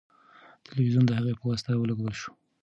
تلویزیون د هغې په واسطه ولګول شو.